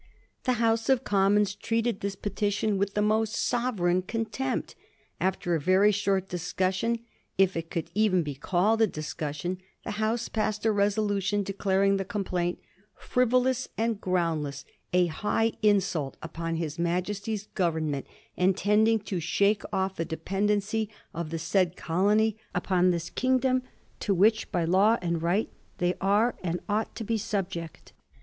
The House of Commons treated this petition with the most sovereign contempt. After a very short discussion, if it could even be called a discussion, the House passed a resolution declaring the complaint '^ frivolous and groundless, a high insult upon his Majesty's Government, and tending, to shake off the dependency of the said colony upon this kingdom, to which by law and right they are and ought to be sub ject."